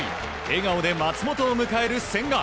笑顔で松本を迎える千賀。